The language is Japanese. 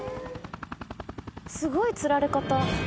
すごいつられ方。